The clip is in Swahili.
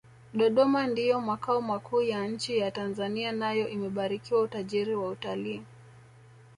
dodoma ndiyo makao makuu ya nchi ya tanzania nayo imebarikiwa utajiri wa utalii